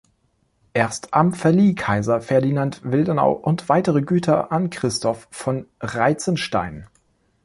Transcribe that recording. Erst am verlieh Kaiser Ferdinand Wildenau und weitere Güter an Christof von Reitzenstein.